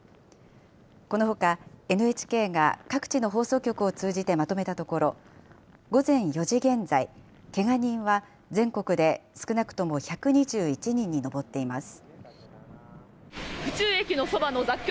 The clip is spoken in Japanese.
このほかＮＨＫが各地の放送局を通じてまとめたところ午前４時現在けが人は全国で少なくとも１２１人に上っています。